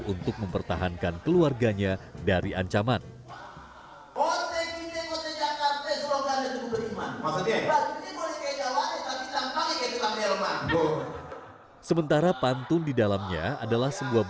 untuk mempertimbangkan kesabaran persidangan